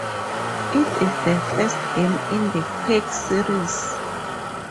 It is the first game in the "Quake" series.